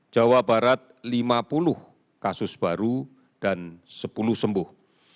jawa barat lima puluh kasus baru dan sepuluh sembuh